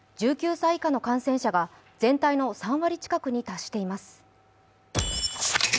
１９歳以下の感染者が全体の３割近くに達しています。